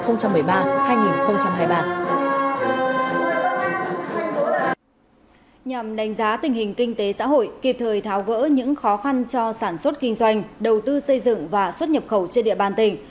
nhằm đánh giá tình hình kinh tế xã hội kịp thời tháo gỡ những khó khăn cho sản xuất kinh doanh đầu tư xây dựng và xuất nhập khẩu trên địa bàn tỉnh